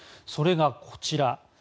それがこちら。